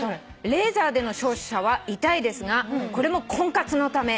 「レーザーでの照射は痛いですがこれも婚活のため」